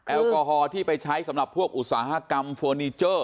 แอลกอฮอล์ที่ไปใช้สำหรับพวกอุตสาหกรรมเฟอร์นิเจอร์